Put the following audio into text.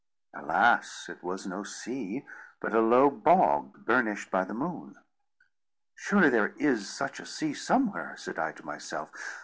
Alas! it was no sea, but a low bog burnished by the moon. "Surely there is such a sea somewhere!" said I to myself.